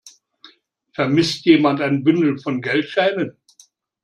Vermisst jemand ein Bündel von Geldscheinen?